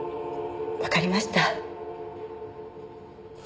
わかりました。